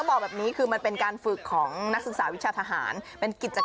ไปด้วยหน่อยนะ